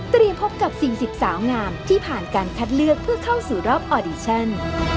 พบกับ๔๐สาวงามที่ผ่านการคัดเลือกเพื่อเข้าสู่รอบออดิชั่น